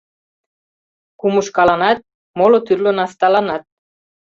Кумышкаланат, моло тӱрлӧ насталанат.